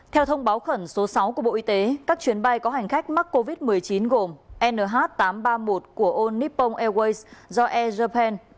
theo thông báo khẩn số sáu của bộ y tế các chuyến bay có hành khách mắc covid một mươi chín gồm nh tám trăm ba mươi một của onippon airways do air japan